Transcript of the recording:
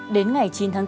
đến ngày chín tháng bốn